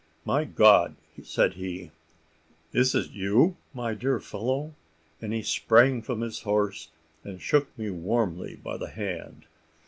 "My God!" said he, "is it you, my dear fellow?" and he sprang from his horse, and shook me warmly by the hand.